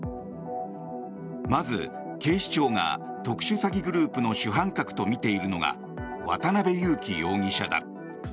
まず警視庁が特殊詐欺グループの主犯格とみているのが渡邉優樹容疑者だ。